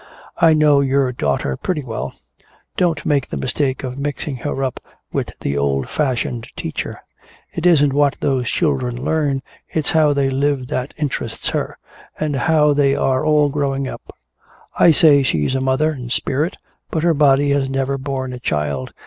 I know your daughter pretty well. Don't make the mistake of mixing her up with the old fashioned teacher. It isn't what those children learn, it's how they live that interests her, and how they are all growing up. I say she's a mother in spirit but her body has never borne a child.